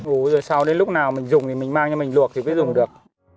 ủ rồi sau đến lúc nào mình dùng thì mình mang cho mình luộc thì mới dùng được